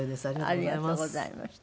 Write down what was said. ありがとうございます。